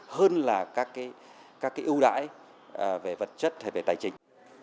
hơn là các cái ưu đãi về vật chất hay về tài chính